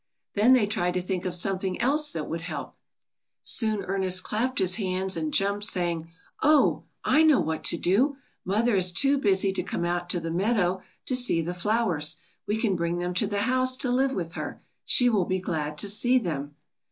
Then they tried to think of some thing else that would help. Soon Ernest clapped his hands and jumped, saying, "Oh, I know what to do. Mother is too busy to come out to the meadow to see the flowers. We can bring them to the house to live with her. She will be glad to see them.